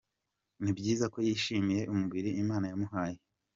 Ni byiza ko yishimiye umubiri imana yamuhaye.